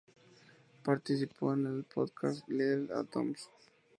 Participó en el podcast Little Atoms.